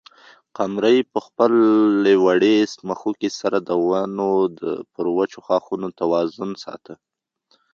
قمرۍ په خپلې وړې مښوکې سره د ونې پر وچو ښاخونو توازن ساته.